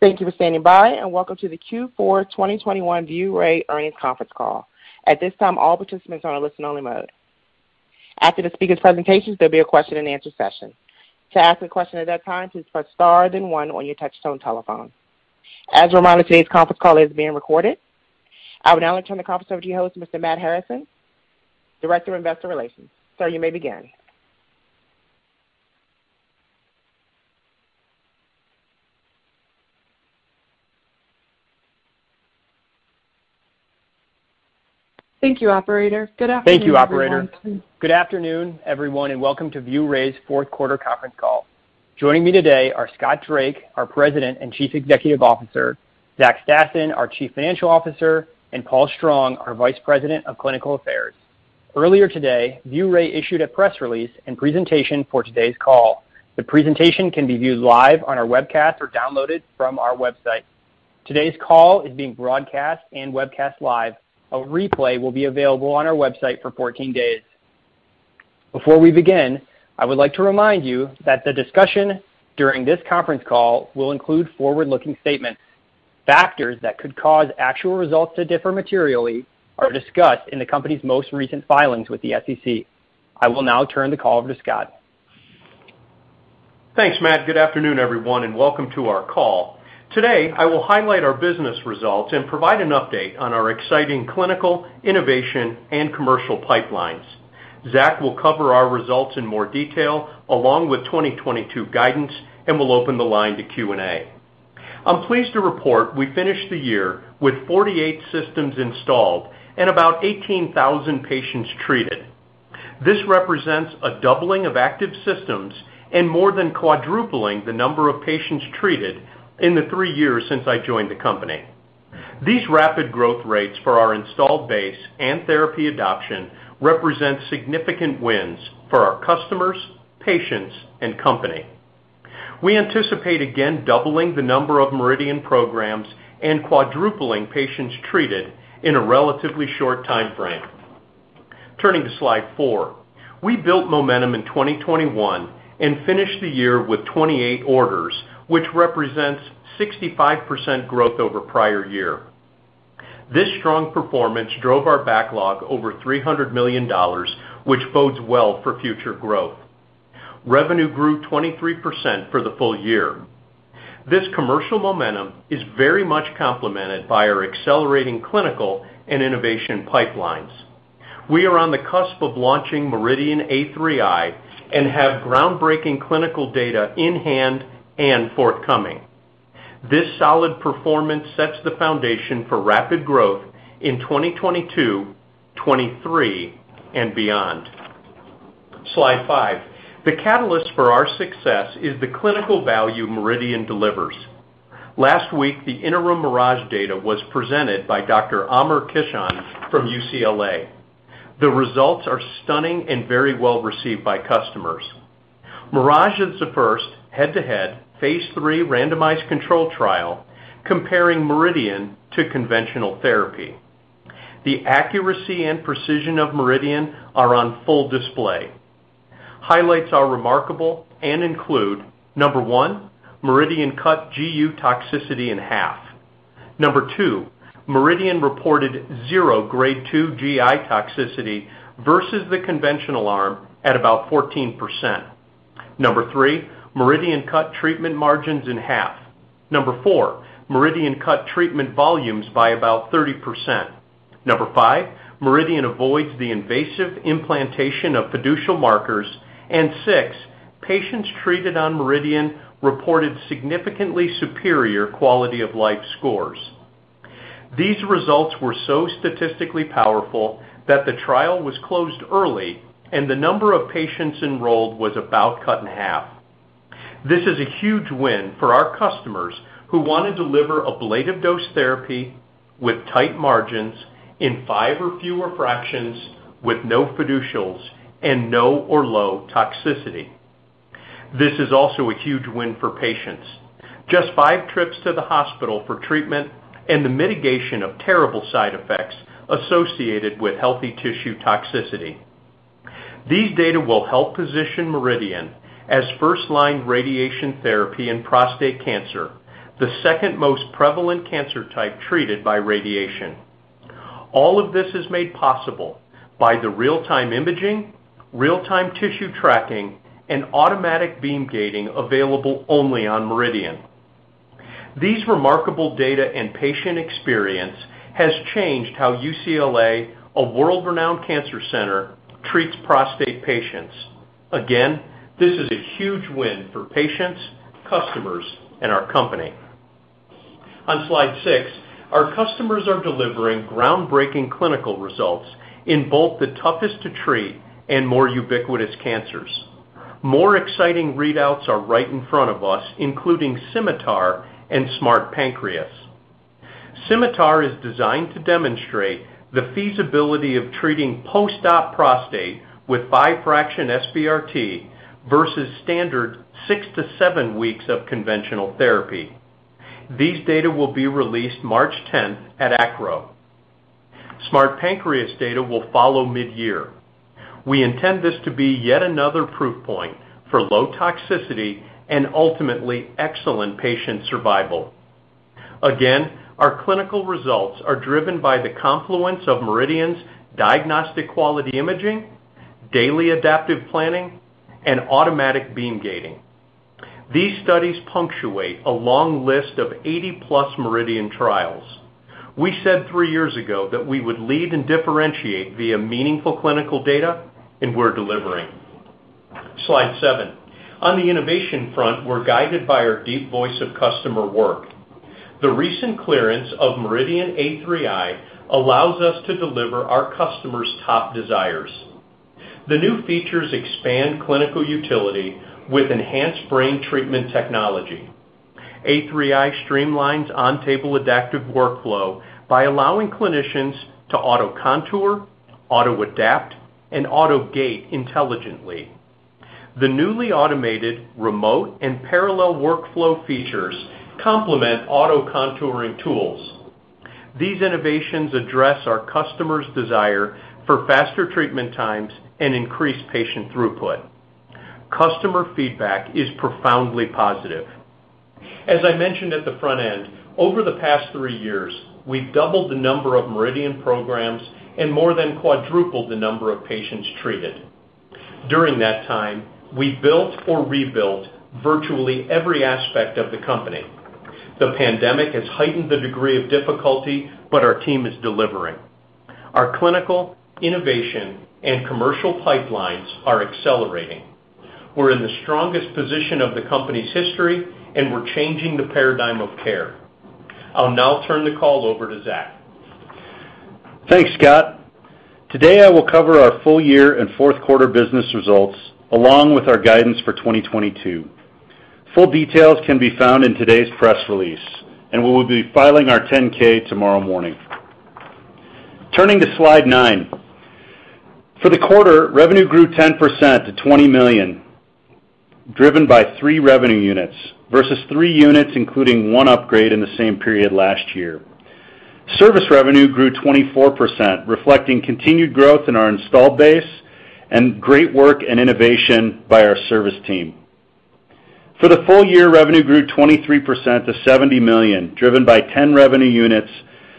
Thank you for standing by, and welcome to the Q4 2021 ViewRay Earnings Conference Call. At this time, all participants are on a listen only mode. After the speakers' presentations, there'll be a question and answer session. To ask a question at that time, please press star then one on your touchtone telephone. As a reminder, today's conference call is being recorded. I would now like to turn the conference over to your host, Mr. Matt Harrison, Director of Investor Relations. Sir, you may begin. Thank you, operator. Good afternoon, everyone. Thank you, operator. Good afternoon, everyone, and welcome to ViewRay's fourth quarter conference call. Joining me today are Scott Drake, our President and Chief Executive Officer, Zach Stassen, our Chief Financial Officer, and Paul Strong, our Vice President of Clinical Affairs. Earlier today, ViewRay issued a press release and presentation for today's call. The presentation can be viewed live on our webcast or downloaded from our website. Today's call is being broadcast and webcast live. A replay will be available on our website for 14 days. Before we begin, I would like to remind you that the discussion during this conference call will include forward-looking statements. Factors that could cause actual results to differ materially are discussed in the company's most recent filings with the SEC. I will now turn the call over to Scott. Thanks, Matt. Good afternoon, everyone, and welcome to our call. Today, I will highlight our business results and provide an update on our exciting clinical, innovation, and commercial pipelines. Zach will cover our results in more detail, along with 2022 guidance, and we'll open the line to Q&A. I'm pleased to report we finished the year with 48 systems installed and about 18,000 patients treated. This represents a doubling of active systems and more than quadrupling the number of patients treated in the three years since I joined the company. These rapid growth rates for our installed base and therapy adoption represent significant wins for our customers, patients, and company. We anticipate again doubling the number of MRIdian programs and quadrupling patients treated in a relatively short time frame. Turning to slide four. We built momentum in 2021 and finished the year with 28 orders, which represents 65% growth over prior year. This strong performance drove our backlog over $300 million, which bodes well for future growth. Revenue grew 23% for the full year. This commercial momentum is very much complemented by our accelerating clinical and innovation pipelines. We are on the cusp of launching MRIdian A3i and have groundbreaking clinical data in hand and forthcoming. This solid performance sets the foundation for rapid growth in 2022, 2023, and beyond. Slide five. The catalyst for our success is the clinical value MRIdian delivers. Last week, the interim MIRAGE data was presented by Dr. Amar Kishan from UCLA. The results are stunning and very well-received by customers. MIRAGE is the first head-to-head phase III randomized control trial comparing MRIdian to conventional therapy. The accuracy and precision of MRIdian are on full display. Highlights are remarkable and include, 1, MRIdian cut GU toxicity in half. two, MRIdian reported zero grade 2 GI toxicity versus the conventional arm at about 14%. three, MRIdian cut treatment margins in half. four, MRIdian cut treatment volumes by about 30%. five, MRIdian avoids the invasive implantation of fiducial markers. six, patients treated on MRIdian reported significantly superior quality of life scores. These results were so statistically powerful that the trial was closed early and the number of patients enrolled was about cut in half. This is a huge win for our customers who want to deliver ablative dose therapy with tight margins in five or fewer fractions with no fiducials and no or low toxicity. This is also a huge win for patients. Just five trips to the hospital for treatment and the mitigation of terrible side effects associated with healthy tissue toxicity. These data will help position MRIdian as first-line radiation therapy in prostate cancer, the second most prevalent cancer type treated by radiation. All of this is made possible by the real-time imaging, real-time tissue tracking, and automatic beam gating available only on MRIdian. These remarkable data and patient experience has changed how UCLA, a world-renowned cancer center, treats prostate patients. Again, this is a huge win for patients, customers, and our company. On slide six, our customers are delivering groundbreaking clinical results in both the toughest to treat and more ubiquitous cancers. More exciting readouts are right in front of us, including SCIMITAR and SMART pancreas. SCIMITAR is designed to demonstrate the feasibility of treating post-op prostate with bi-fraction SBRT versus standard six to seven weeks of conventional therapy. These data will be released March tenth at ACRO. SMART pancreas data will follow mid-year. We intend this to be yet another proof point for low toxicity and ultimately excellent patient survival. Again, our clinical results are driven by the confluence of MRIdian's diagnostic quality imaging, daily adaptive planning, and automatic beam gating. These studies punctuate a long list of 80-plus MRIdian trials. We said three years ago that we would lead and differentiate via meaningful clinical data, and we're delivering. Slide seven. On the innovation front, we're guided by our deep voice of customer work. The recent clearance of MRIdian A3i allows us to deliver our customers' top desires. The new features expand clinical utility with enhanced brain treatment technology. A3i streamlines on-table adaptive workflow by allowing clinicians to auto-contour, auto-adapt, and auto-gate intelligently. The newly automated remote and parallel workflow features complement auto-contouring tools. These innovations address our customers' desire for faster treatment times and increased patient throughput. Customer feedback is profoundly positive. As I mentioned at the front end, over the past three years, we've doubled the number of MRIdian programs and more than quadrupled the number of patients treated. During that time, we built or rebuilt virtually every aspect of the company. The pandemic has heightened the degree of difficulty, but our team is delivering. Our clinical, innovation, and commercial pipelines are accelerating. We're in the strongest position of the company's history, and we're changing the paradigm of care. I'll now turn the call over to Zach. Thanks, Scott. Today, I will cover our full year and fourth quarter business results, along with our guidance for 2022. Full details can be found in today's press release, and we will be filing our 10-K tomorrow morning. Turning to Slide nine. For the quarter, revenue grew 10% to $20 million, driven by three revenue units versus three units, including one upgrade in the same period last year. Service revenue grew 24%, reflecting continued growth in our installed base and great work and innovation by our service team. For the full year, revenue grew 23% to $70 million, driven by 10 revenue units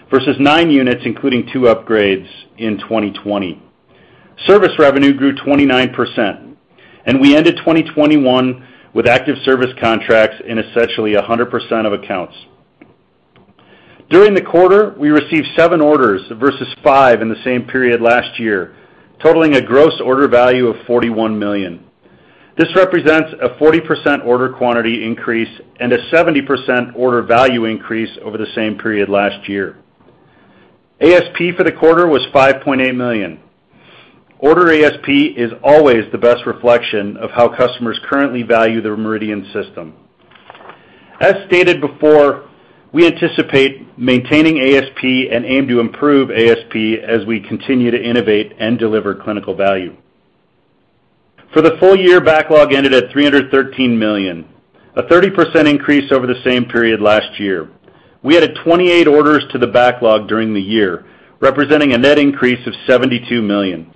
versus nine units, including two upgrades in 2020. Service revenue grew 29%, and we ended 2021 with active service contracts in essentially 100% of accounts. During the quarter, we received seven orders versus five in the same period last year, totaling a gross order value of $41 million. This represents a 40% order quantity increase and a 70% order value increase over the same period last year. ASP for the quarter was $5.8 million. Order ASP is always the best reflection of how customers currently value their MRIdian system. As stated before, we anticipate maintaining ASP and aim to improve ASP as we continue to innovate and deliver clinical value. For the full year, backlog ended at $313 million, a 30% increase over the same period last year. We added 28 orders to the backlog during the year, representing a net increase of $72 million.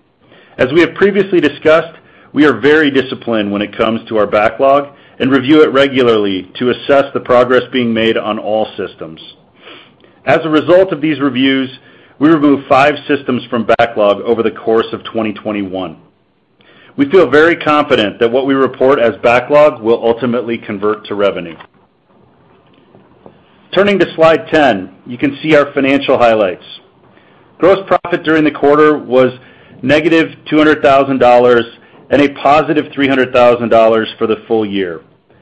As we have previously discussed, we are very disciplined when it comes to our backlog and review it regularly to assess the progress being made on all systems. As a result of these reviews, we removed five systems from backlog over the course of 2021. We feel very confident that what we report as backlog will ultimately convert to revenue. Turning to Slide 10, you can see our financial highlights. Gross profit during the quarter was -$200,000 and $300,000 for the full year,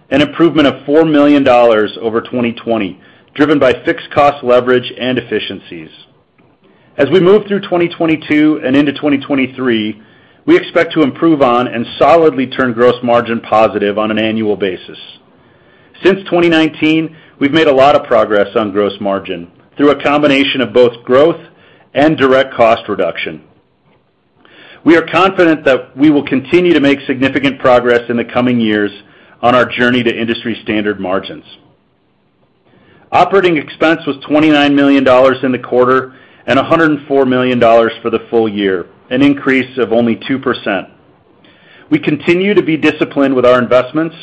an improvement of $4 million over 2020, driven by fixed cost leverage and efficiencies. As we move through 2022 and into 2023, we expect to improve on and solidly turn gross margin positive on an annual basis. Since 2019, we've made a lot of progress on gross margin through a combination of both growth and direct cost reduction. We are confident that we will continue to make significant progress in the coming years on our journey to industry standard margins. Operating expense was $29 million in the quarter and $104 million for the full year, an increase of only 2%. We continue to be disciplined with our investments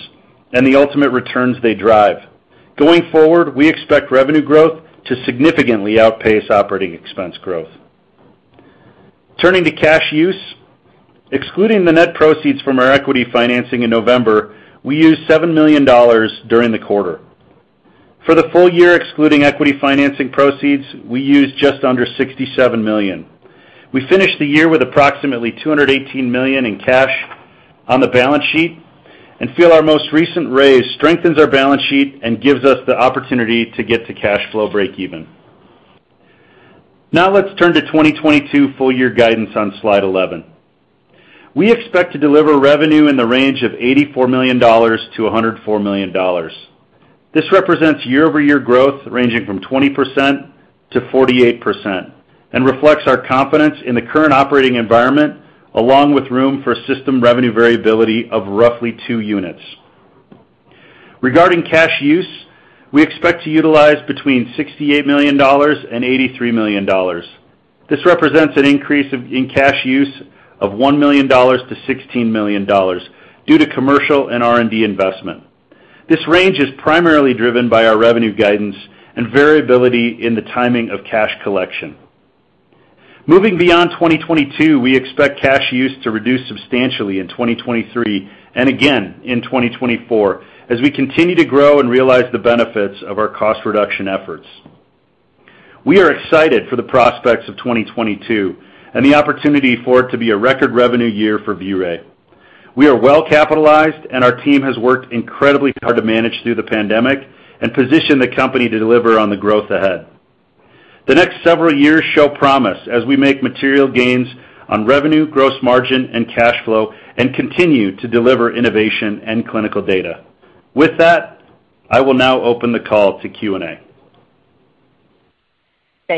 and the ultimate returns they drive. Going forward, we expect revenue growth to significantly outpace operating expense growth. Turning to cash use. Excluding the net proceeds from our equity financing in November, we used $7 million during the quarter. For the full year, excluding equity financing proceeds, we used just under $67 million. We finished the year with approximately $218 million in cash on the balance sheet and feel our most recent raise strengthens our balance sheet and gives us the opportunity to get to cash flow break even. Now let's turn to 2022 full-year guidance on Slide 11. We expect to deliver revenue in the range of $84 million-$104 million. This represents year-over-year growth ranging from 20%-48% and reflects our confidence in the current operating environment, along with room for system revenue variability of roughly two units. Regarding cash use, we expect to utilize between $68 million and $83 million. This represents an increase in cash use of $1 million to $16 million due to commercial and R&D investment. This range is primarily driven by our revenue guidance and variability in the timing of cash collection. Moving beyond 2022, we expect cash use to reduce substantially in 2023 and again in 2024 as we continue to grow and realize the benefits of our cost reduction efforts. We are excited for the prospects of 2022 and the opportunity for it to be a record revenue year for ViewRay. We are well capitalized and our team has worked incredibly hard to manage through the pandemic and position the company to deliver on the growth ahead. The next several years show promise as we make material gains on revenue, gross margin and cash flow, and continue to deliver innovation and clinical data. With that, I will now open the call to Q&A. Our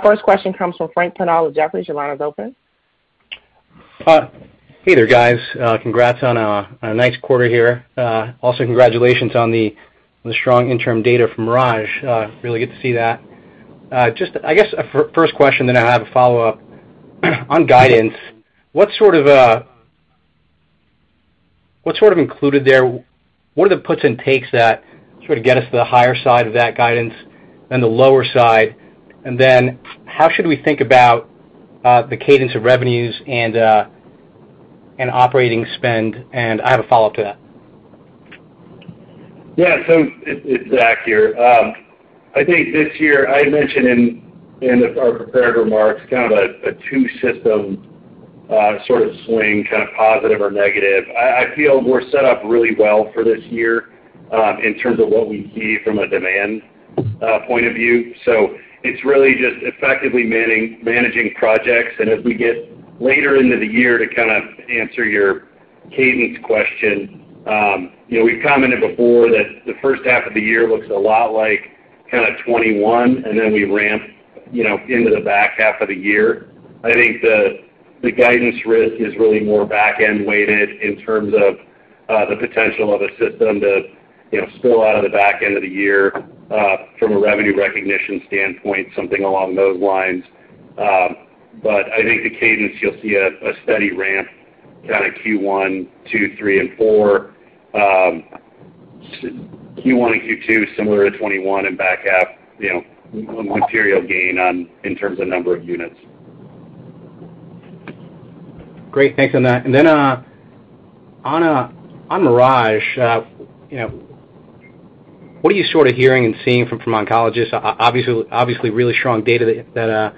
first question comes from Frank Pinal with Jefferies. Your line is open. Hey there, guys. Congrats on a nice quarter here. Also congratulations on the strong interim data from MIRAGE. Really good to see that. Just I guess first question, then I have a follow-up. On guidance, what sort of what's sort of included there? What are the puts and takes that sort of get us to the higher side of that guidance than the lower side? And then how should we think about the cadence of revenues and operating spend? And I have a follow-up to that. Yeah. It's Zach here. I think this year I mentioned in our prepared remarks kind of a two-system sort of swing, kind of positive or negative. I feel we're set up really well for this year, in terms of what we see from a demand point of view. It's really just effectively managing projects. As we get later into the year to kind of answer your cadence question, you know, we've commented before that the first half of the year looks a lot like kind of 2021, and then we ramp, you know, into the back half of the year. I think the guidance risk is really more back-end weighted in terms of the potential of a system to, you know, spill out of the back end of the year from a revenue recognition standpoint, something along those lines. I think the cadence, you'll see a steady ramp kind of Q1, Q2, Q3 and Q4. Q1 and Q2 similar to 2021 and back half, you know, a material gain in terms of number of units. Great. Thanks on that. On MIRAGE, you know, what are you sort of hearing and seeing from oncologists? Obviously really strong data that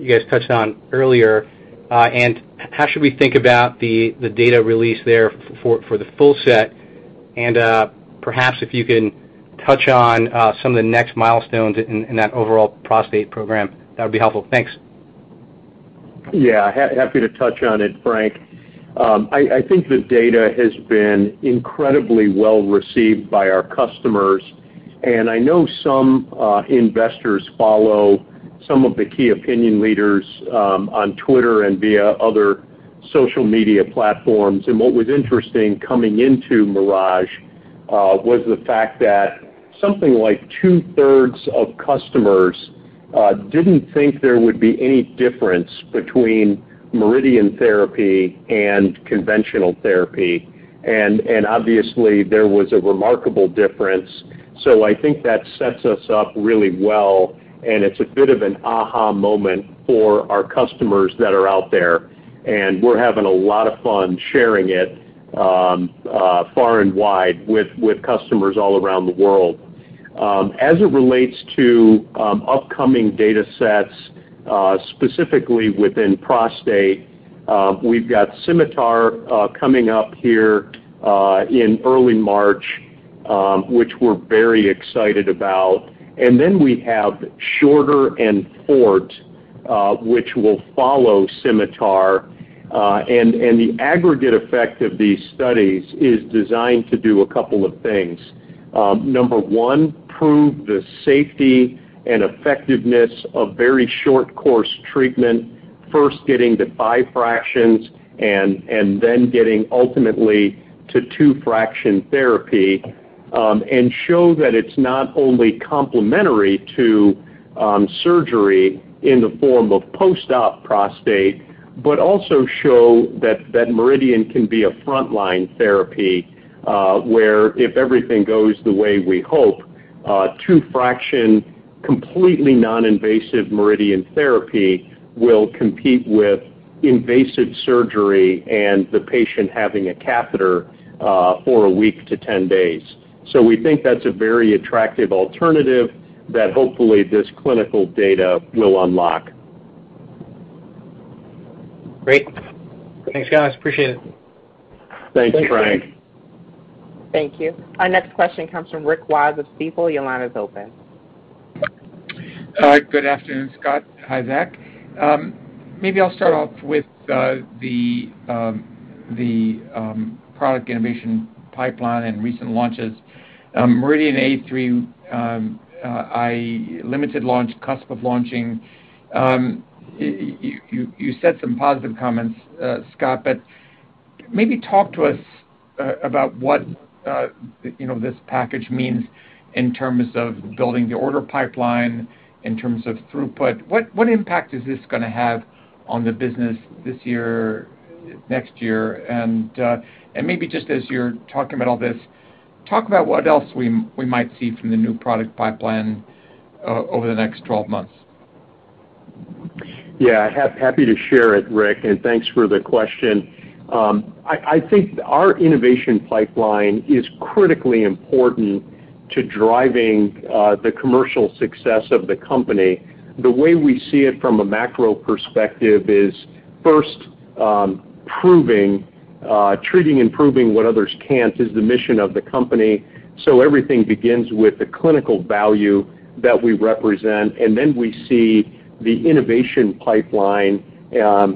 you guys touched on earlier. How should we think about the data release there for the full set? Perhaps if you can touch on some of the next milestones in that overall prostate program, that would be helpful. Thanks. Yeah, happy to touch on it, Frank. I think the data has been incredibly well received by our customers, and I know some investors follow some of the key opinion leaders on Twitter and via other social media platforms. What was interesting coming into MIRAGE was the fact that something like two-thirds of customers didn't think there would be any difference between MRIdian therapy and conventional therapy. Obviously there was a remarkable difference. I think that sets us up really well, and it's a bit of an aha moment for our customers that are out there, and we're having a lot of fun sharing it far and wide with customers all around the world. As it relates to upcoming data sets, specifically within prostate, we've got SCIMITAR coming up here in early March, which we're very excited about. We have SHORTER and FORT, which will follow SCIMITAR. The aggregate effect of these studies is designed to do a couple of things. Number one, prove the safety and effectiveness of very short course treatment, first getting to five fractions and then getting ultimately to two fraction therapy. Show that it's not only complementary to surgery in the form of post-op prostate, but also show that MRIdian can be a frontline therapy, where if everything goes the way we hope, two fraction completely non-invasive MRIdian therapy will compete with invasive surgery and the patient having a catheter for a week to 10 days. We think that's a very attractive alternative that hopefully this clinical data will unlock. Great. Thanks, guys. Appreciate it. Thank you, Frank. Thank you. Our next question comes from Rick Wise with Stifel. Your line is open. Good afternoon, Scott. Hi, Zach. Maybe I'll start off with the product innovation pipeline and recent launches. MRIdian A3i, limited launch, cusp of launching. You said some positive comments, Scott, but maybe talk to us about what, you know, this package means in terms of building the order pipeline, in terms of throughput. What impact is this gonna have on the business this year, next year? Maybe just as you're talking about all this, talk about what else we might see from the new product pipeline over the next 12 months. Yeah. Happy to share it, Rick, and thanks for the question. I think our innovation pipeline is critically important to driving the commercial success of the company. The way we see it from a macro perspective is, first, proving, treating and proving what others can't is the mission of the company. Everything begins with the clinical value that we represent, and then we see the innovation pipeline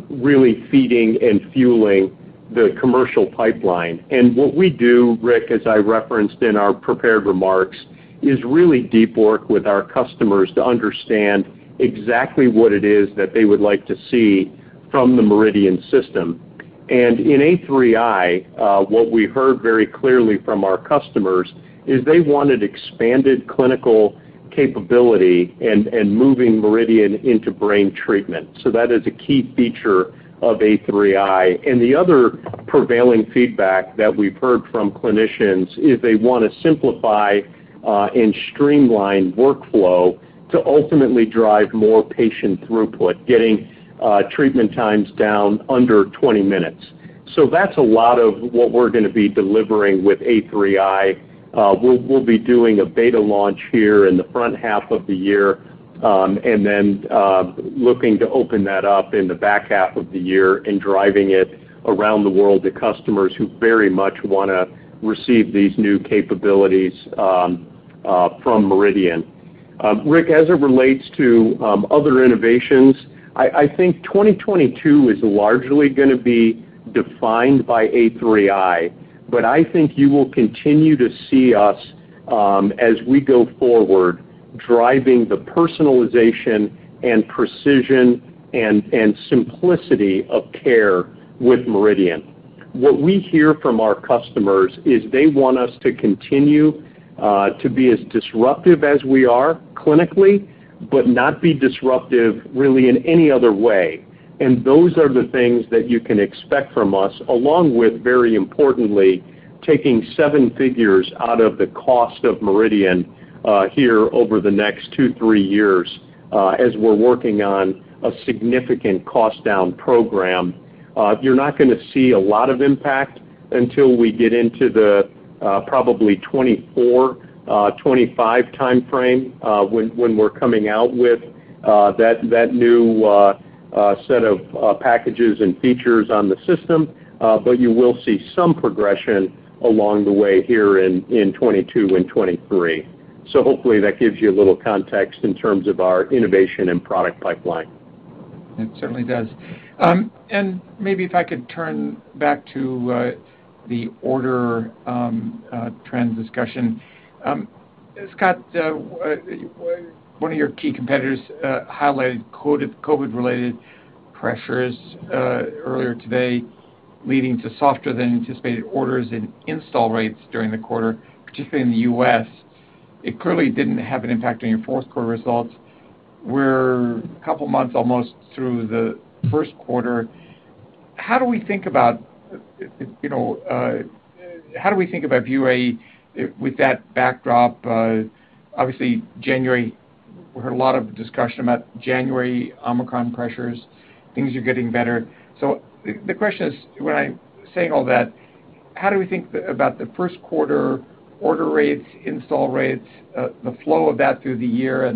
really feeding and fueling the commercial pipeline. What we do, Rick, as I referenced in our prepared remarks, is really deep work with our customers to understand exactly what it is that they would like to see from the MRIdian system. In A3i, what we heard very clearly from our customers is they wanted expanded clinical capability and moving MRIdian into brain treatment. That is a key feature of A3i. The other prevailing feedback that we've heard from clinicians is they wanna simplify and streamline workflow to ultimately drive more patient throughput, getting treatment times down under 20 minutes. That's a lot of what we're gonna be delivering with A3i. We'll be doing a beta launch here in the front half of the year and then looking to open that up in the back half of the year and driving it around the world to customers who very much wanna receive these new capabilities from MRIdian. Rick, as it relates to other innovations, I think 2022 is largely gonna be defined by A3i, but I think you will continue to see us as we go forward driving the personalization and precision and simplicity of care with MRIdian. What we hear from our customers is they want us to continue to be as disruptive as we are clinically but not be disruptive really in any other way. Those are the things that you can expect from us, along with very importantly taking seven figures out of the cost of MRIdian here over the next 2-3 years as we're working on a significant cost down program. You're not gonna see a lot of impact until we get into the probably 2024-2025 timeframe when we're coming out with that new set of packages and features on the system but you will see some progression along the way here in 2022 and 2023. Hopefully that gives you a little context in terms of our innovation and product pipeline. It certainly does. And maybe if I could turn back to the order trends discussion. Scott, one of your key competitors highlighted COVID-related pressures earlier today, leading to softer than anticipated orders and install rates during the quarter, particularly in the U.S. It clearly didn't have an impact on your fourth quarter results. We're a couple of months almost through the first quarter. How do we think about, you know, ViewRay with that backdrop? Obviously, January, we heard a lot of discussion about January Omicron pressures. Things are getting better. The question is, when I'm saying all that, how do we think about the first quarter order rates, install rates, the flow of that through the year?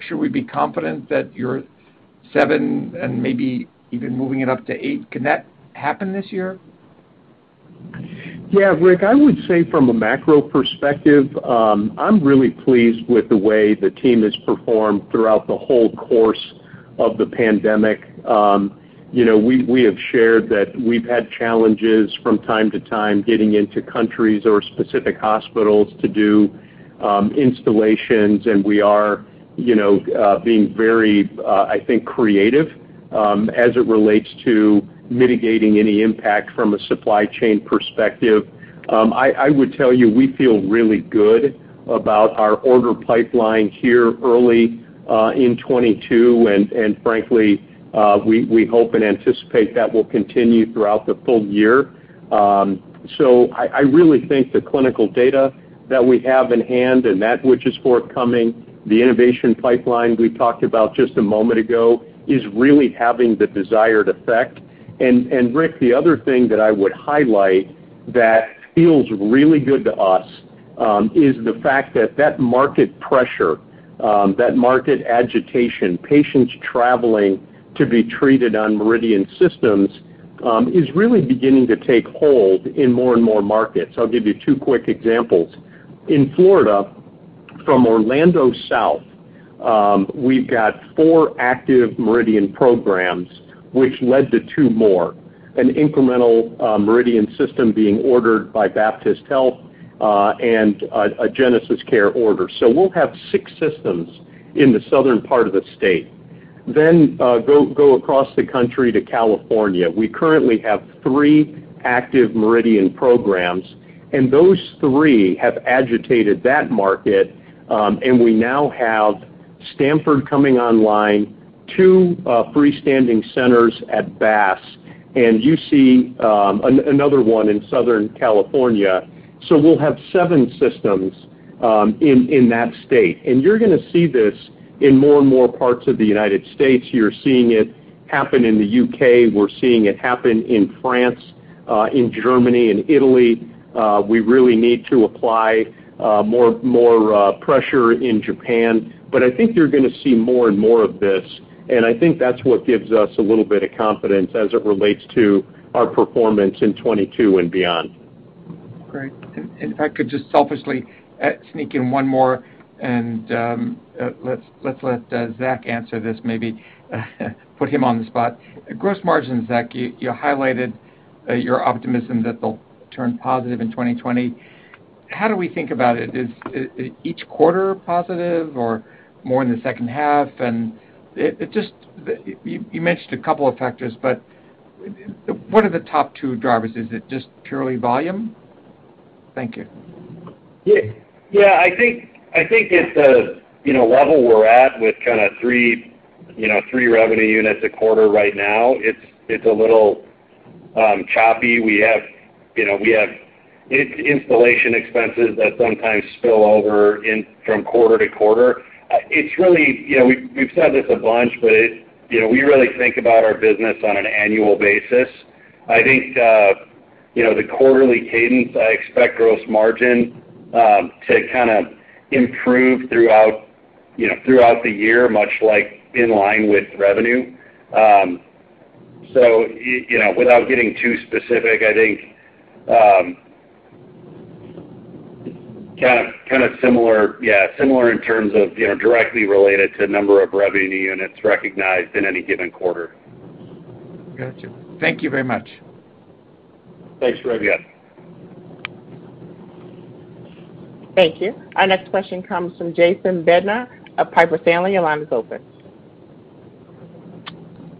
Should we be confident that your 7 and maybe even moving it up to 8, can that happen this year? Yeah, Rick, I would say from a macro perspective, I'm really pleased with the way the team has performed throughout the whole course of the pandemic. You know, we have shared that we've had challenges from time to time getting into countries or specific hospitals to do installations. We are, you know, being very, I think, creative as it relates to mitigating any impact from a supply chain perspective. I would tell you, we feel really good about our order pipeline here early in 2022. Frankly, we hope and anticipate that will continue throughout the full year. I really think the clinical data that we have in hand and that which is forthcoming, the innovation pipeline we talked about just a moment ago, is really having the desired effect. Rick, the other thing that I would highlight that feels really good to us is the fact that that market pressure that market agitation, patients traveling to be treated on MRIdian systems is really beginning to take hold in more and more markets. I'll give you two quick examples. In Florida, from Orlando South, we've got four active MRIdian programs which led to two more, an incremental MRIdian system being ordered by Baptist Health and a GenesisCare order. We'll have six systems in the southern part of the state. Go across the country to California. We currently have three active MRIdian programs, and those three have agitated that market and we now have Stanford coming online, two freestanding centers at Bass, and UC, another one in Southern California. We'll have seven systems in that state. You're gonna see this in more and more parts of the United States. You're seeing it happen in the U.K. We're seeing it happen in France, in Germany and Italy. We really need to apply more pressure in Japan. I think you're gonna see more and more of this, and I think that's what gives us a little bit of confidence as it relates to our performance in 2022 and beyond. Great. If I could just selfishly sneak in one more and let's let Zach answer this, maybe put him on the spot. Gross margin, Zach, you highlighted your optimism that they'll turn positive in 2020. How do we think about it? Is each quarter positive or more in the second half? It just. You mentioned a couple of factors, but what are the top two drivers? Is it just purely volume? Thank you. Yeah, yeah. I think at the, you know, level we're at with kinda three, you know, three revenue units a quarter right now, it's a little choppy. We have in-installation expenses that sometimes spill over from quarter to quarter. It's really, you know, we've said this a bunch, but it. You know, we really think about our business on an annual basis. I think, you know, the quarterly cadence, I expect gross margin to kinda improve throughout, you know, throughout the year, much like in line with revenue. So you know, without getting too specific, I think kind of similar, yeah, similar in terms of, you know, directly related to number of revenue units recognized in any given quarter. Gotcha. Thank you very much. Thanks, Rick. Yeah. Thank you. Our next question comes from Jason Bednar of Piper Sandler. Your line is open.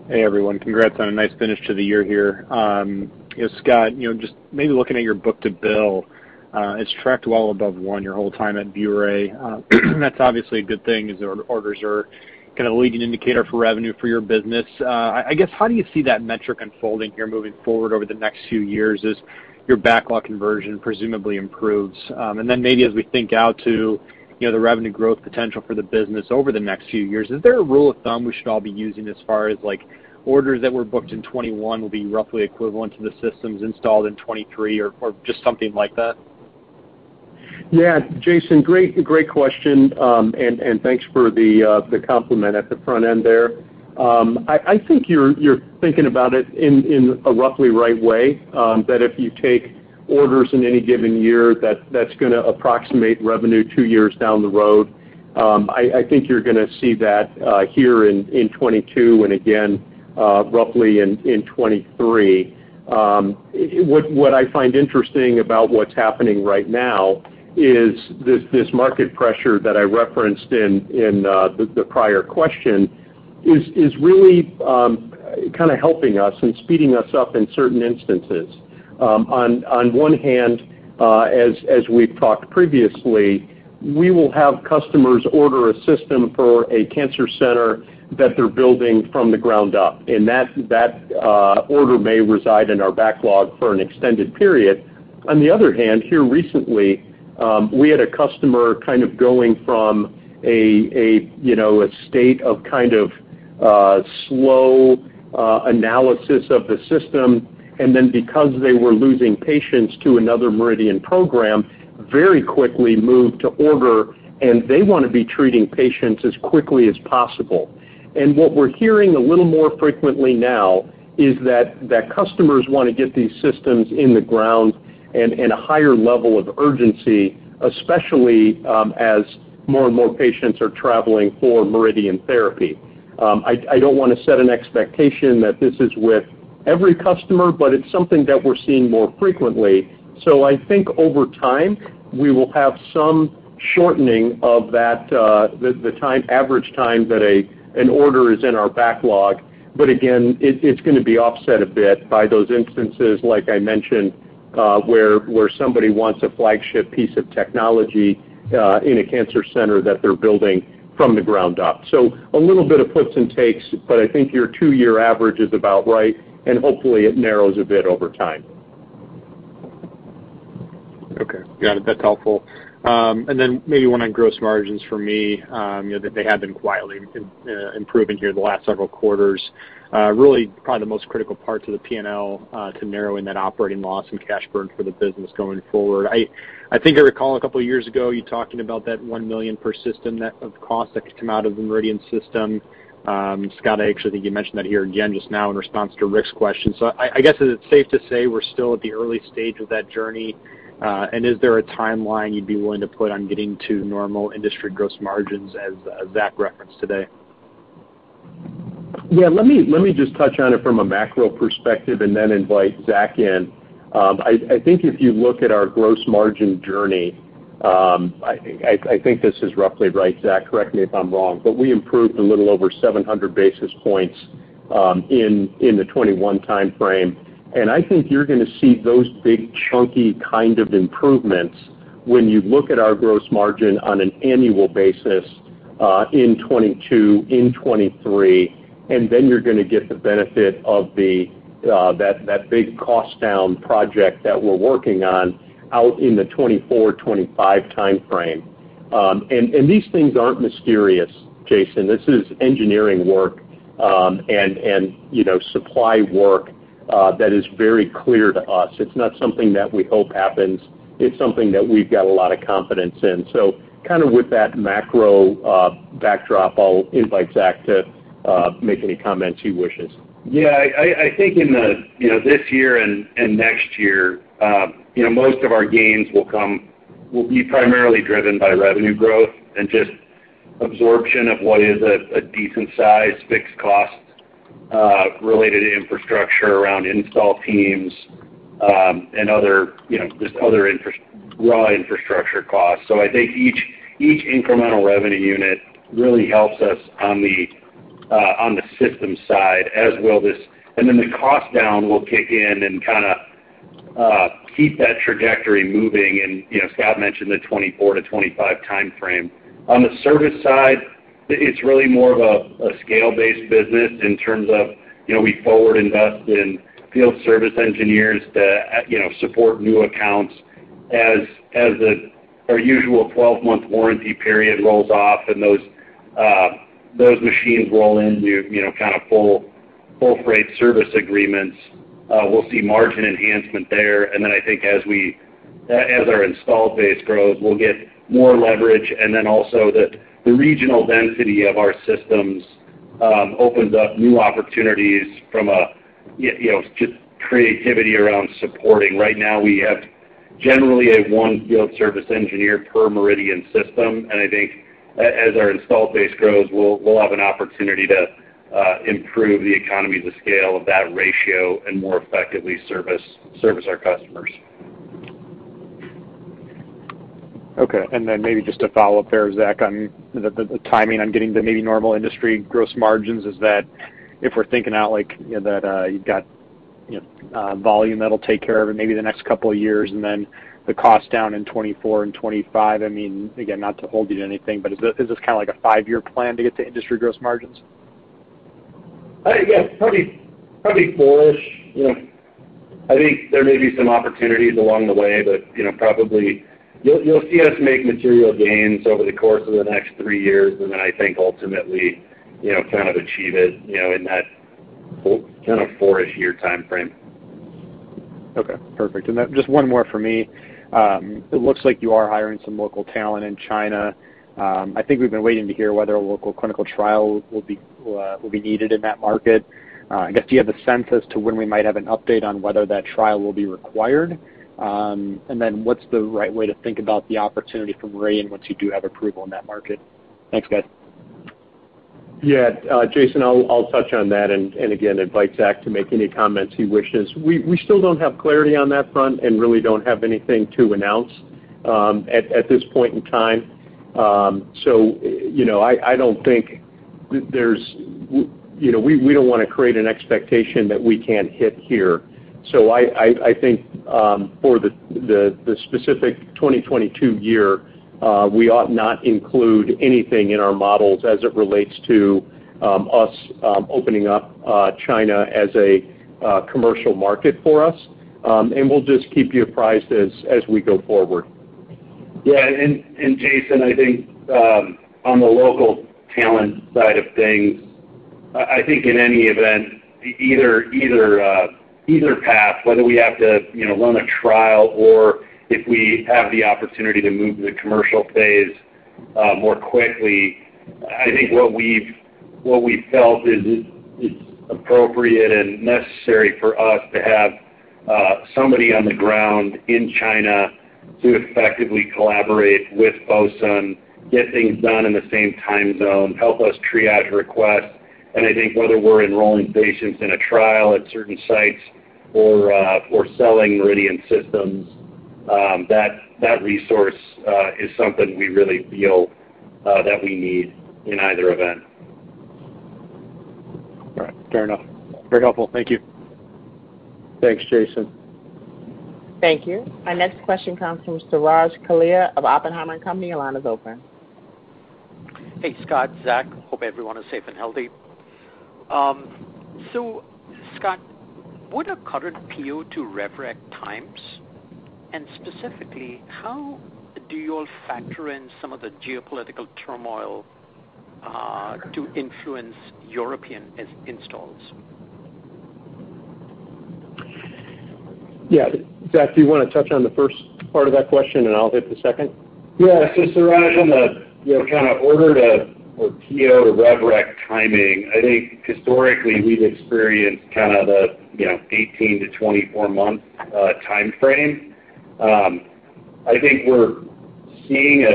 Hey, everyone. Congrats on a nice finish to the year here. Yeah, Scott, you know, just maybe looking at your book-to-bill, it's tracked well above one your whole time at ViewRay. That's obviously a good thing as orders are kind of leading indicator for revenue for your business. I guess how do you see that metric unfolding here moving forward over the next few years as your backlog conversion presumably improves? Maybe as we think out to, you know, the revenue growth potential for the business over the next few years, is there a rule of thumb we should all be using as far as, like, orders that were booked in 2021 will be roughly equivalent to the systems installed in 2023 or just something like that? Yeah. Jason, great question. Thanks for the compliment at the front end there. I think you're thinking about it in a roughly right way, that if you take orders in any given year, that's gonna approximate revenue two years down the road. I think you're gonna see that here in 2022 and again, roughly in 2023. What I find interesting about what's happening right now is this market pressure that I referenced in the prior question is really kinda helping us and speeding us up in certain instances. On one hand, as we've talked previously, we will have customers order a system for a cancer center that they're building from the ground up, and that order may reside in our backlog for an extended period. On the other hand, here recently, we had a customer kind of going from a you know a state of kind of slow analysis of the system, and then because they were losing patients to another MRIdian program, very quickly moved to order, and they wanna be treating patients as quickly as possible. What we're hearing a little more frequently now is that customers wanna get these systems in the ground and in a higher level of urgency, especially as more and more patients are traveling for MRIdian therapy. I don't wanna set an expectation that this is with every customer, but it's something that we're seeing more frequently. I think over time, we will have some shortening of that, the average time that an order is in our backlog. Again, it's gonna be offset a bit by those instances, like I mentioned, where somebody wants a flagship piece of technology in a cancer center that they're building from the ground up. A little bit of puts and takes, but I think your two-year average is about right, and hopefully it narrows a bit over time. Okay. Got it. That's helpful. Then maybe one on gross margins for me, you know, that they have been quietly improving here the last several quarters. Really probably the most critical part to the P&L, to narrowing that operating loss and cash burn for the business going forward. I think I recall a couple of years ago you talking about that $1 million per system of cost that could come out of the MRIdian system. Scott, I actually think you mentioned that here again just now in response to Rick's question. I guess, is it safe to say we're still at the early stage of that journey? Is there a timeline you'd be willing to put on getting to normal industry gross margins as Zach referenced today? Yeah, let me just touch on it from a macro perspective and then invite Zach in. I think if you look at our gross margin journey, I think this is roughly right, Zach, correct me if I'm wrong, but we improved a little over 700 basis points in the 2021 timeframe. I think you're gonna see those big chunky kind of improvements when you look at our gross margin on an annual basis in 2022, in 2023, and then you're gonna get the benefit of that big cost down project that we're working on out in the 2024, 2025 timeframe. These things aren't mysterious, Jason. This is engineering work, you know, supply work that is very clear to us. It's not something that we hope happens. It's something that we've got a lot of confidence in. Kinda with that macro backdrop, I'll invite Zach to make any comments he wishes. Yeah. I think in the, you know, this year and next year, you know, most of our gains will be primarily driven by revenue growth and just absorption of what is a decent-sized fixed cost related infrastructure around install teams and other, you know, just other raw infrastructure costs. I think each incremental revenue unit really helps us on the systems side, as will this. Then the cost down will kick in and kinda keep that trajectory moving. You know, Scott mentioned the 2024-2025 timeframe. On the service side, it's really more of a scale-based business in terms of, you know, we forward invest in field service engineers to, you know, support new accounts. Our usual 12-month warranty period rolls off and those machines roll into, you know, kind of full-rate service agreements, we'll see margin enhancement there. Then I think as our installed base grows, we'll get more leverage. Then also the regional density of our systems opens up new opportunities from a, you know, just creativity around supporting. Right now, we have generally one field service engineer per MRIdian system. I think as our installed base grows, we'll have an opportunity to improve the economies of scale of that ratio and more effectively service our customers. Okay. Then maybe just a follow-up there, Zach, on the timing on getting to maybe normal industry gross margins is that if we're thinking out, like, you know, that you've got volume that'll take care of it maybe the next couple of years, and then the cost down in 2024 and 2025. I mean, again, not to hold you to anything, but is this kinda like a five-year plan to get to industry gross margins? I guess probably four-ish. You know, I think there may be some opportunities along the way, but, you know, probably you'll see us make material gains over the course of the next three years. Then I think ultimately, you know, kind of achieve it, you know, in that kinda four-ish year timeframe. Okay. Perfect. Just one more for me. It looks like you are hiring some local talent in China. I think we've been waiting to hear whether a local clinical trial will be needed in that market. I guess, do you have a sense as to when we might have an update on whether that trial will be required? And then what's the right way to think about the opportunity from ViewRay once you do have approval in that market? Thanks, guys. Yeah. Jason, I'll touch on that and again, invite Zach to make any comments he wishes. We still don't have clarity on that front and really don't have anything to announce at this point in time. You know, I don't think there's you know, we don't wanna create an expectation that we can't hit here. I think for the specific 2022 year, we ought not include anything in our models as it relates to us opening up China as a commercial market for us. And we'll just keep you apprised as we go forward. Yeah. Jason, I think on the local talent side of things, I think in any event, either path, whether we have to, you know, run a trial or if we have the opportunity to move to the commercial phase more quickly, I think what we felt is it's appropriate and necessary for us to have somebody on the ground in China to effectively collaborate with Boson, get things done in the same time zone, help us triage requests. I think whether we're enrolling patients in a trial at certain sites or selling MRIdian systems, that resource is something we really feel that we need in either event. All right. Fair enough. Very helpful. Thank you. Thanks, Jason. Thank you. Our next question comes from Suraj Kalia of Oppenheimer Company. Your line is open. Hey, Scott, Zach. Hope everyone is safe and healthy. Scott, what are current PO to rev rec times? Specifically, how do you all factor in some of the geopolitical turmoil to influence European installs? Yeah. Zach, do you want to touch on the first part of that question, and I'll hit the second? Yeah. Suraj, on the, you know, kind of order to or PO to rev rec timing, I think historically we've experienced kind of a, you know, 18- to 24-month timeframe. I think we're seeing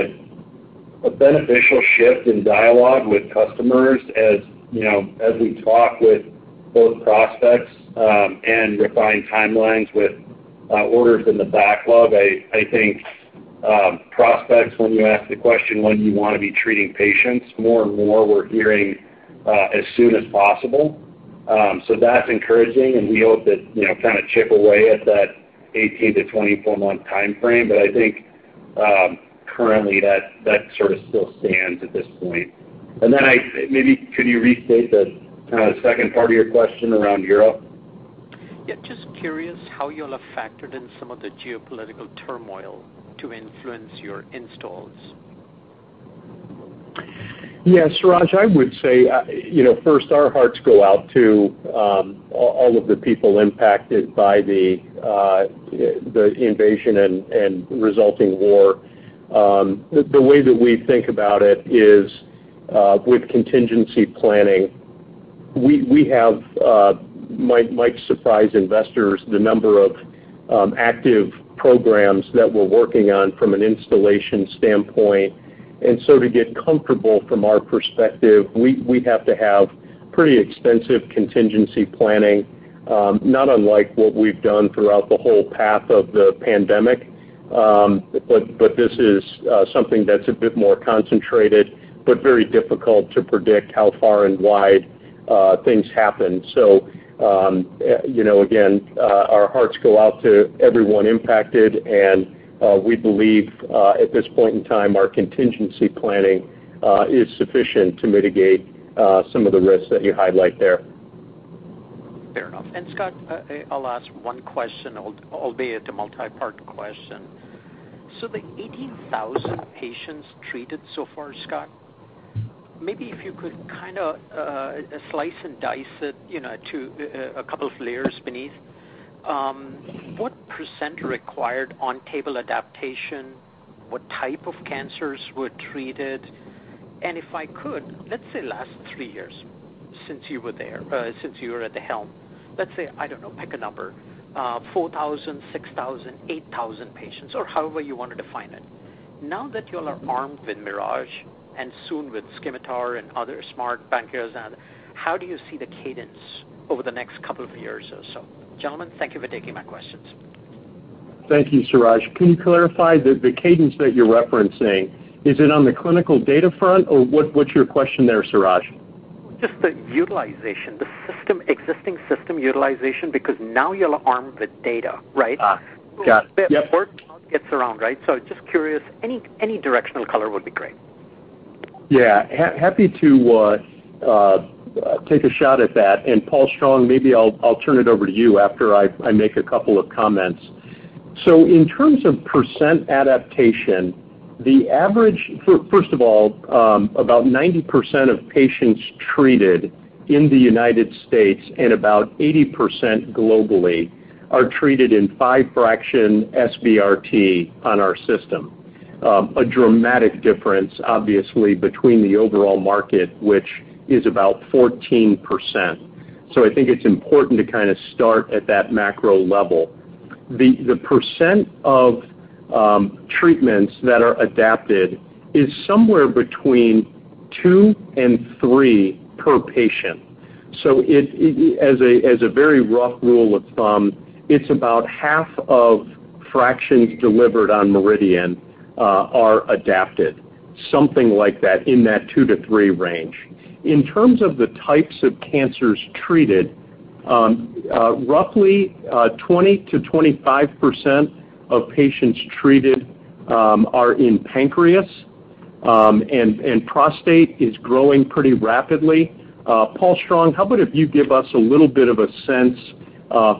a beneficial shift in dialogue with customers as, you know, as we talk with both prospects, and refined timelines with, orders in the backlog. I think prospects, when you ask the question, when do you wanna be treating patients, more and more we're hearing, as soon as possible. That's encouraging, and we hope to, you know, kind of chip away at that 18- to 24-month timeframe. I think currently that sort of still stands at this point. Then maybe could you restate the kinda second part of your question around Europe? Yeah, just curious how you all have factored in some of the geopolitical turmoil to influence your installs? Yeah, Suraj, I would say, you know, first our hearts go out to all of the people impacted by the invasion and resulting war. The way that we think about it is with contingency planning. We might surprise investors the number of active programs that we're working on from an installation standpoint. To get comfortable from our perspective, we have to have pretty extensive contingency planning, not unlike what we've done throughout the whole path of the pandemic. This is something that's a bit more concentrated, but very difficult to predict how far and wide things happen. You know, again, our hearts go out to everyone impacted, and we believe at this point in time our contingency planning is sufficient to mitigate some of the risks that you highlight there. Fair enough. Scott, I'll ask one question, albeit a multi-part question. The 80,000 patients treated so far, Scott, maybe if you could kinda slice and dice it, you know, to a couple of layers beneath. What % required on-table adaptation? What type of cancers were treated? If I could, let's say last three years since you were there, since you were at the helm, let's say, I don't know, pick a number, 4,000, 6,000, 8,000 patients or however you want to define it. Now that y'all are armed with MIRAGE and soon with SCIMITAR and other SMART pancreas, and how do you see the cadence over the next couple of years or so? Gentlemen, thank you for taking my questions. Thank you, Suraj. Can you clarify the cadence that you're referencing, is it on the clinical data front or what's your question there, Suraj? Just the utilization, the system, existing system utilization because now you'll have the data, right? Got it. Yep. Before it gets around, right? Just curious. Any directional color would be great. Happy to take a shot at that. Paul Strong, maybe I'll turn it over to you after I make a couple of comments. In terms of percent adaptation, the average. First of all, about 90% of patients treated in the United States and about 80% globally are treated in 5-fraction SBRT on our system. A dramatic difference obviously between the overall market, which is about 14%. I think it's important to kind of start at that macro level. The percent of treatments that are adapted is somewhere between two and three per patient. As a very rough rule of thumb, it's about half of fractions delivered on MRIdian are adapted, something like that in that 2-3 range. In terms of the types of cancers treated, roughly 20%-25% of patients treated are in pancreas, and prostate is growing pretty rapidly. Paul Strong, how about if you give us a little bit of a sense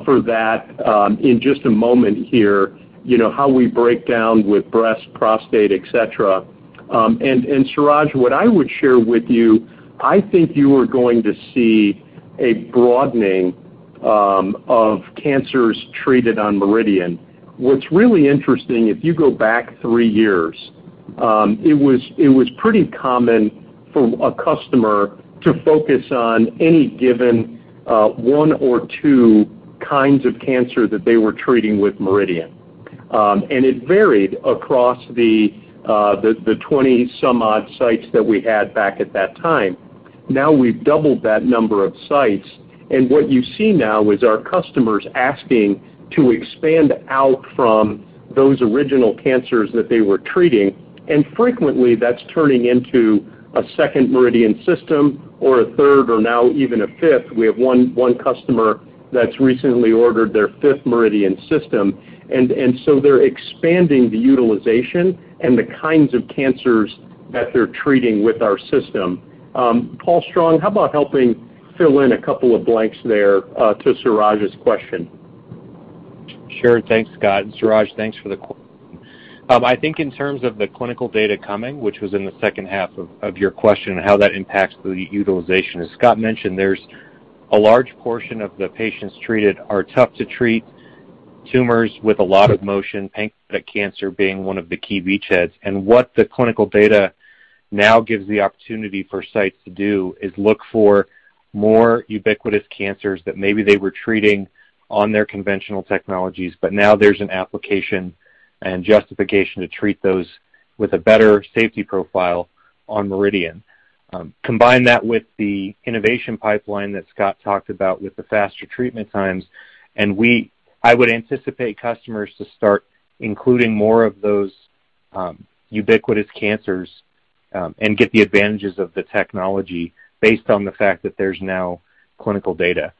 for that in just a moment here, you know, how we break down with breast, prostate, et cetera. Suraj, what I would share with you, I think you are going to see a broadening of cancers treated on MRIdian. What's really interesting, if you go back three years, it was pretty common for a customer to focus on any given one or two kinds of cancer that they were treating with MRIdian. It varied across the 20-some odd sites that we had back at that time. Now we've doubled that number of sites, and what you see now is our customers asking to expand out from those original cancers that they were treating. Frequently that's turning into a second MRIdian system or a third or now even a fifth. We have one customer that's recently ordered their fifth MRIdian system, and so they're expanding the utilization and the kinds of cancers that they're treating with our system. Paul Strong, how about helping fill in a couple of blanks there, to Suraj's question? Sure. Thanks, Scott. Suraj, thanks for the question. I think in terms of the clinical data coming, which was in the second half of your question, how that impacts the utilization. As Scott mentioned, there's a large portion of the patients treated are tough to treat tumors with a lot of motion, pancreatic cancer being one of the key beachheads. What the clinical data now gives the opportunity for sites to do is look for more ubiquitous cancers that maybe they were treating on their conventional technologies, but now there's an application and justification to treat those with a better safety profile on MRIdian. Combine that with the innovation pipeline that Scott talked about with the faster treatment times, and I would anticipate customers to start including more of those ubiquitous cancers, and get the advantages of the technology based on the fact that there's now clinical data.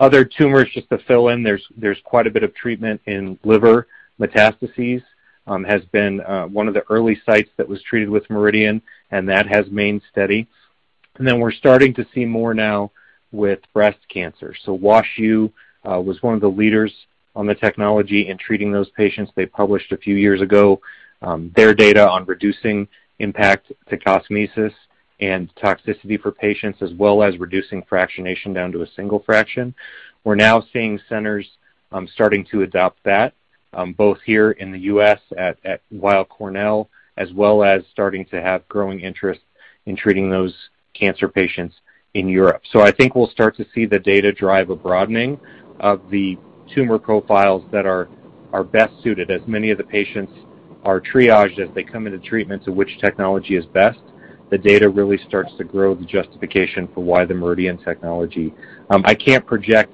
Other tumors, just to fill in, there's quite a bit of treatment in liver metastases has been one of the early sites that was treated with MRIdian, and that has remained steady. Then we're starting to see more now with breast cancer. WashU was one of the leaders on the technology in treating those patients. They published a few years ago their data on reducing impact to cosmesis and toxicity for patients, as well as reducing fractionation down to a single fraction. We're now seeing centers starting to adopt that both here in the U.S. at Weill Cornell, as well as starting to have growing interest in treating those cancer patients in Europe. I think we'll start to see the data drive a broadening of the tumor profiles that are best suited as many of the patients are triaged as they come into treatment to which technology is best. The data really starts to grow the justification for why the MRIdian technology. I can't project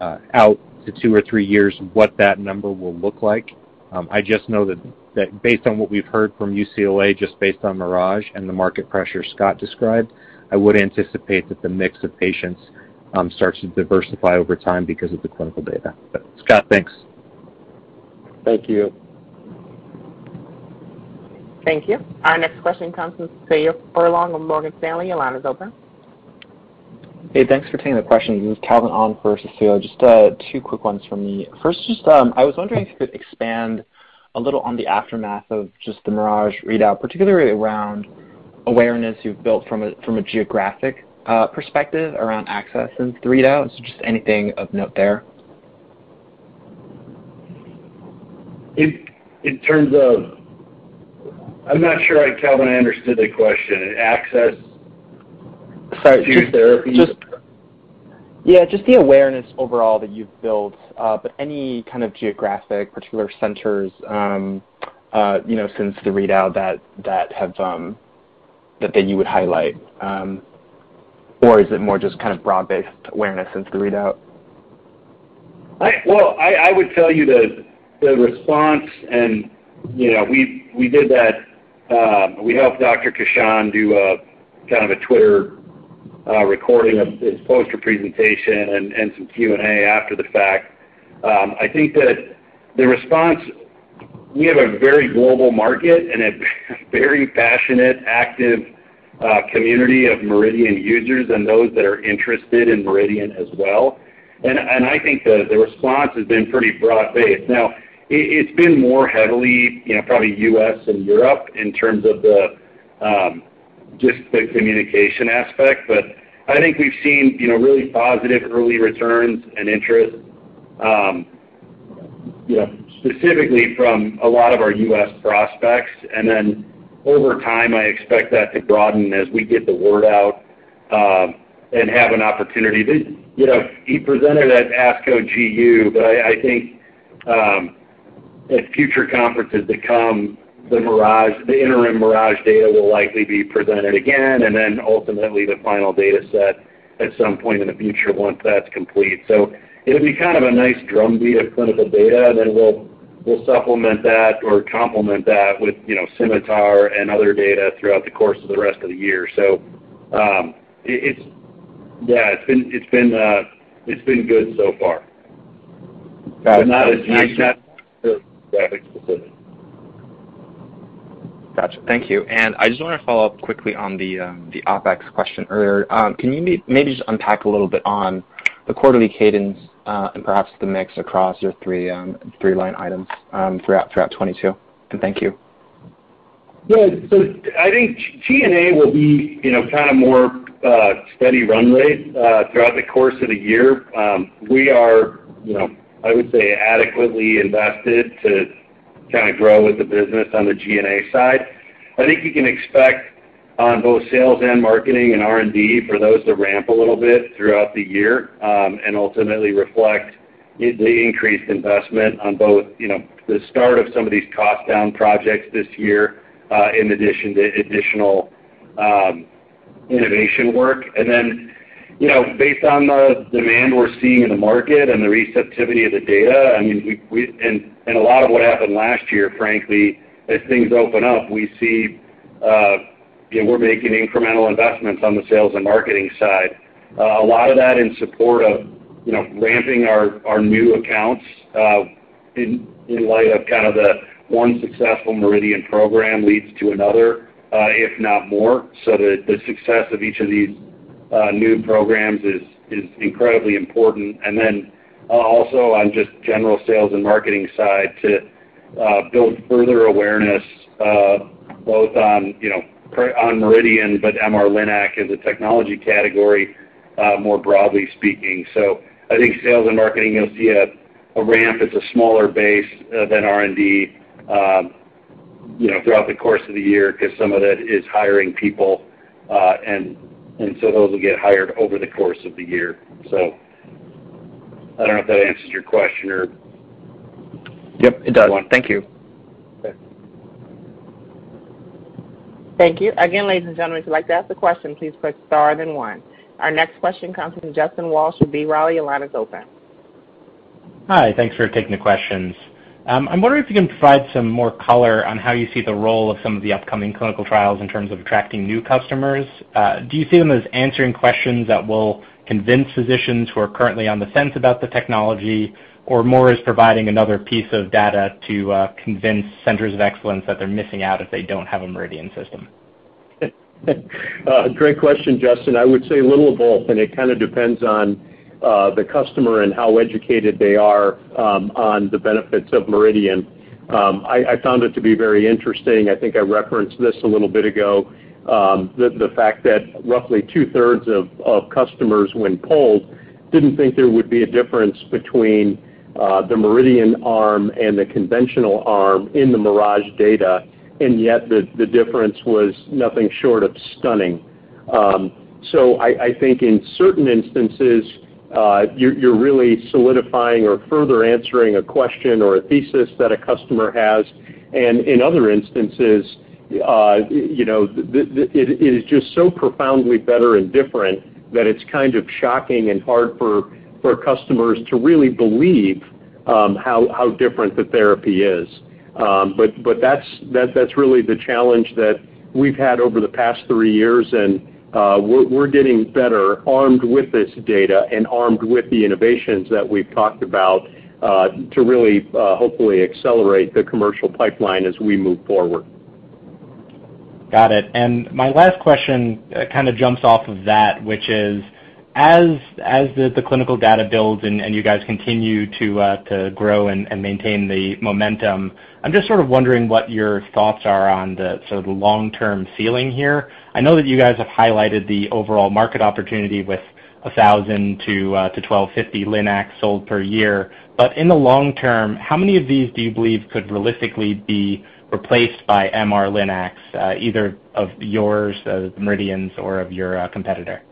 out to two or three years what that number will look like. I just know that based on what we've heard from UCLA, just based on MIRAGE and the market pressure Scott described, I would anticipate that the mix of patients starts to diversify over time because of the clinical data. Scott, thanks. Thank you. Thank you. Our next question comes from Cecilia Furlong with Morgan Stanley. Your line is open. Hey, thanks for taking the question. This is Calvin Ahn for Cecilia. Just two quick ones from me. First, just I was wondering if you could expand a little on the aftermath of just the MIRAGE readout, particularly around awareness you've built from a geographic perspective around access since the readout. So just anything of note there. I'm not sure, Calvin, I understood the question. Sorry. to therapy? Yeah, just the awareness overall that you've built. But any kind of geographic particular centers, you know, since the readout that have that you would highlight? Is it more just kind of broad-based awareness since the readout? Well, I would tell you the response and, you know, we did that. We helped Dr. Amar Kishan do a kind of a Twitter recording of his poster presentation and some Q&A after the fact. I think that the response, we have a very global market and a very passionate, active community of MRIdian users and those that are interested in MRIdian as well. I think the response has been pretty broad-based. Now, it's been more heavily, you know, probably U.S. and Europe in terms of the just the communication aspect. But I think we've seen, you know, really positive early returns and interest, you know, specifically from a lot of our U.S. prospects. Then over time, I expect that to broaden as we get the word out and have an opportunity to. You know, he presented at ASCO GU, but I think at future conferences that come, the MIRAGE, the interim MIRAGE data will likely be presented again, and then ultimately the final dataset at some point in the future once that's complete. It'll be kind of a nice drum beat of clinical data, and then we'll supplement that or complement that with, you know, SCIMITAR and other data throughout the course of the rest of the year. Yeah, it's been good so far. Got it. Not as nice as specific. Got you. Thank you. I just wanna follow up quickly on the OpEx question earlier. Can you maybe just unpack a little bit on the quarterly cadence, and perhaps the mix across your three line items, throughout 2022? Thank you. Yeah. I think G&A will be, you know, kind of more steady run rate throughout the course of the year. We are, you know, I would say adequately invested to kinda grow with the business on the G&A side. I think you can expect on both sales and marketing and R&D for those to ramp a little bit throughout the year, and ultimately reflect the increased investment on both, you know, the start of some of these cost down projects this year, in addition to additional innovation work. You know, based on the demand we're seeing in the market and the receptivity of the data, I mean, we and a lot of what happened last year, frankly, as things open up, we see, you know, we're making incremental investments on the sales and marketing side. A lot of that in support of, you know, ramping our new accounts in light of kind of the one successful MRIdian program leads to another, if not more. The success of each of these New programs is incredibly important. Also on just general sales and marketing side to build further awareness both on, you know, on MRIdian, but MR Linac as a technology category more broadly speaking. I think sales and marketing, you'll see a ramp. It's a smaller base than R&D, you know, throughout the course of the year, 'cause some of it is hiring people, and so those will get hired over the course of the year. I don't know if that answers your question or- Yep, it does. One. Thank you. Okay. Thank you. Again, ladies and gentlemen, if you'd like to ask a question, please press star, then one. Our next question comes from Justin Walsh with B. Riley. Your line is open. Hi. Thanks for taking the questions. I'm wondering if you can provide some more color on how you see the role of some of the upcoming clinical trials in terms of attracting new customers. Do you see them as answering questions that will convince physicians who are currently on the fence about the technology or more as providing another piece of data to convince centers of excellence that they're missing out if they don't have a MRIdian system? Great question, Justin. I would say a little of both, and it kinda depends on the customer and how educated they are on the benefits of MRIdian. I found it to be very interesting. I think I referenced this a little bit ago. The fact that roughly two-thirds of customers when polled didn't think there would be a difference between the MRIdian arm and the conventional arm in the MIRAGE data, and yet the difference was nothing short of stunning. I think in certain instances, you're really solidifying or further answering a question or a thesis that a customer has. In other instances, you know, the It is just so profoundly better and different that it's kind of shocking and hard for customers to really believe how different the therapy is. That's really the challenge that we've had over the past three years, and we're getting better armed with this data and armed with the innovations that we've talked about to really hopefully accelerate the commercial pipeline as we move forward. Got it. My last question kinda jumps off of that, which is, as the clinical data builds and you guys continue to grow and maintain the momentum, I'm just sort of wondering what your thoughts are on the sort of long-term ceiling here. I know that you guys have highlighted the overall market opportunity with 1,000-1,250 Linacs sold per year. But in the long term, how many of these do you believe could realistically be replaced by MR Linacs, either of yours, the MRIdians or of your competitor?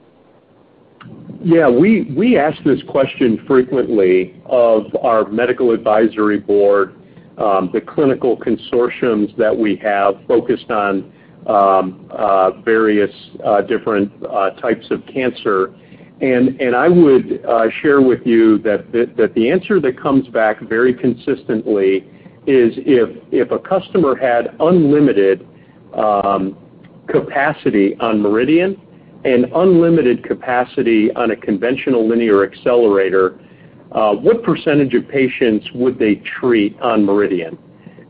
We ask this question frequently of our medical advisory board, the clinical consortiums that we have focused on, various different types of cancer. I would share with you that the answer that comes back very consistently is if a customer had unlimited capacity on MRIdian and unlimited capacity on a conventional linear accelerator, what percentage of patients would they treat on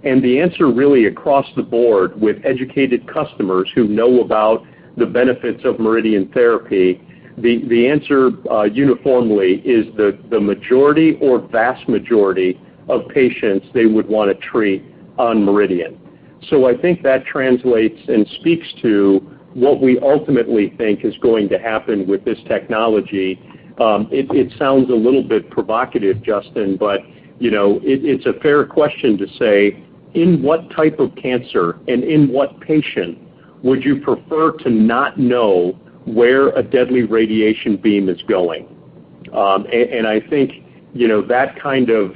MRIdian? The answer really across the board with educated customers who know about the benefits of MRIdian therapy, the answer uniformly is the majority or vast majority of patients they would wanna treat on MRIdian. I think that translates and speaks to what we ultimately think is going to happen with this technology. It sounds a little bit provocative, Justin, but you know, it's a fair question to say in what type of cancer and in what patient would you prefer to not know where a deadly radiation beam is going? I think you know, that kind of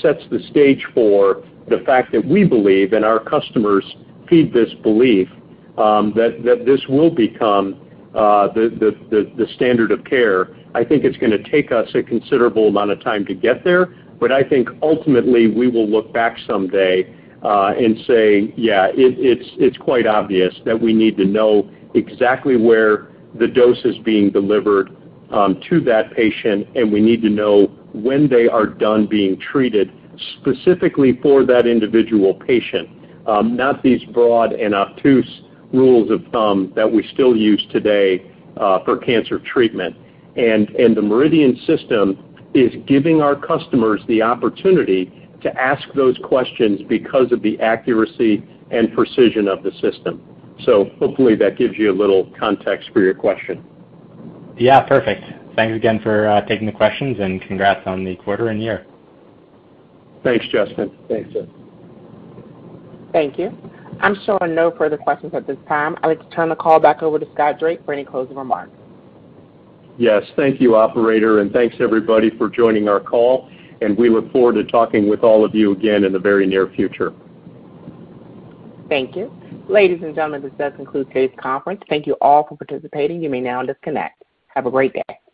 sets the stage for the fact that we believe, and our customers feed this belief, that this will become the standard of care. I think it's gonna take us a considerable amount of time to get there, but I think ultimately we will look back someday, and say, "Yeah, it's quite obvious that we need to know exactly where the dose is being delivered to that patient, and we need to know when they are done being treated specifically for that individual patient," not these broad and obtuse rules of thumb that we still use today for cancer treatment. The MRIdian system is giving our customers the opportunity to ask those questions because of the accuracy and precision of the system. Hopefully that gives you a little context for your question. Yeah. Perfect. Thanks again for taking the questions and congrats on the quarter and year. Thanks, Justin. Thanks. Thank you. I'm showing no further questions at this time. I would turn the call back over to Scott Drake for any closing remarks. Yes. Thank you, operator, and thanks everybody for joining our call, and we look forward to talking with all of you again in the very near future. Thank you. Ladies and gentlemen, this does conclude today's conference. Thank you all for participating. You may now disconnect. Have a great day.